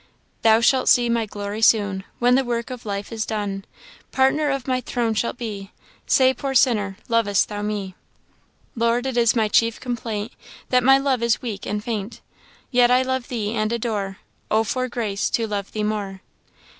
'Thou shalt see my glory soon, When the work of life is done, Partner of my throne shalt be Say, poor sinner, lovest thou me? "Lord, it is my chief complaint That my love is weak and faint; Yet I love thee and adore Oh for grace to love thee more!"